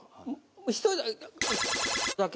１人だけ。